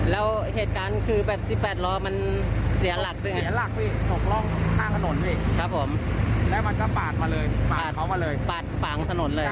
แล้วในรถมีเด็กในรถมีเด็กคนนึงพี่แล้วก็ผู้ใหญ่สองคน